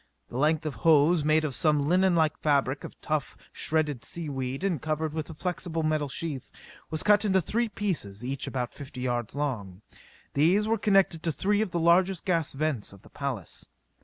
The length of hose made of some linen like fabric of tough, shredded sea weed and covered with a flexible metal sheath was cut into three pieces each about fifty yards long. These were connected to three of the largest gas vents of the palace.